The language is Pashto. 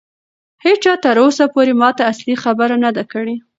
هیچا تر اوسه پورې ماته اصلي خبره نه ده کړې.